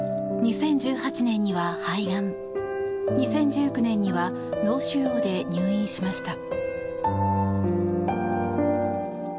２０１８年には肺がん２０１９年には脳腫瘍で入院しました。